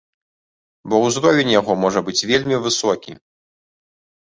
Бо ўзровень яго можа быць вельмі высокі.